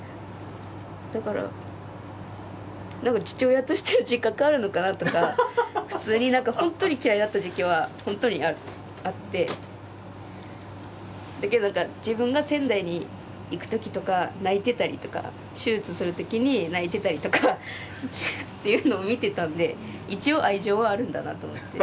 だからなんか父親としての自覚あるのかなとか普通になんか本当に嫌いだった時期は本当にあるあってだけど自分が仙台に行くときとか泣いていたりとか手術するときに泣いていたりとかっていうのを見ていたので一応愛情はあるんだなと思って。